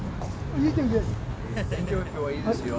いい天気です。